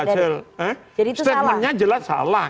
statementnya jelas salah